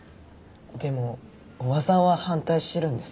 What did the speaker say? でも伯母さんは反対してるんです。